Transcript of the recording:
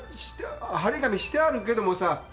張り紙してあるけどもさ。